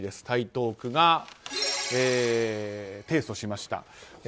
台東区が提訴しました。